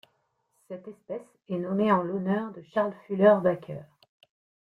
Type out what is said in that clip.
Cette espèce est nommée en l'honneur de Charles Fuller Baker.